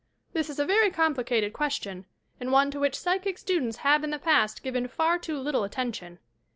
This is a very complicated question, and one to which psychic students have in the past given far too little attention.